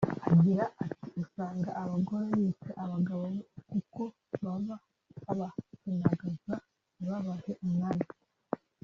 Agira ati “Usanga abagore bica abagabo kuko baba babapyinagaza ntibabahe umwanya